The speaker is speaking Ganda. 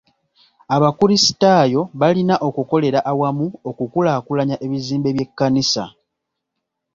Abakrisitaayo balina okukolera awamu okukulaakulanya ebizimbe by'ekkanisa.